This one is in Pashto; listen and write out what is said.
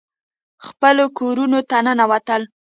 خپلو کورونو ته ننوتل.